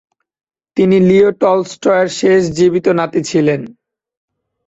তিনি লিও টলস্টয়ের শেষ জীবিত নাতি ছিলেন।